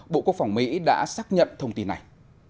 bộ quốc phòng mỹ đã xác nhận thông tin này